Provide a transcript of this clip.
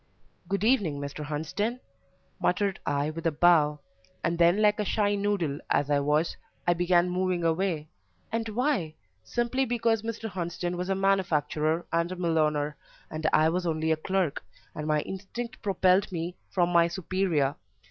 "Good evening, Mr. Hunsden," muttered I with a bow, and then, like a shy noodle as I was, I began moving away and why? Simply because Mr. Hunsden was a manufacturer and a millowner, and I was only a clerk, and my instinct propelled me from my superior.